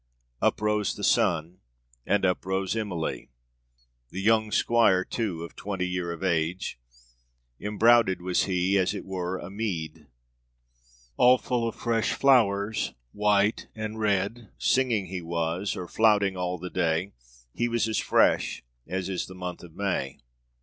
Up rose the sun and up rose Emilie. The 'yonge squire' too, of 'twenty yere of age': Embrouded was he, as it were a mede All full of fresshe floures, white and red. Singing he was, or floyting all the day. He was as fresshe as is the moneth of May.